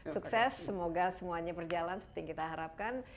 sukses semoga semuanya berjalan seperti yang kita harapkan